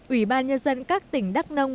ubnd các tỉnh đắc nông